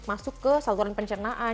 masuk ke saluran pencernaan